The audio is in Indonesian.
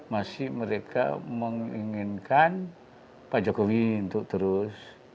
masih mereka menginginkan pak jokowi untuk terus